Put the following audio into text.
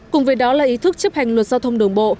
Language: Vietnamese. cùng với đó là ý thức chấp hành luật giao thông đường bộ